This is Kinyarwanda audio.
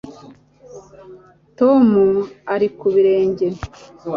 tom ari ku birenge